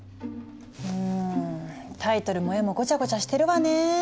うんタイトルも画もごちゃごちゃしてるわね。